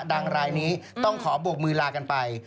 รายนี้ต้องขอบวกมือลากันไป